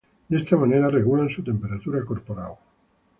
De esta manera regulan su temperatura corporal.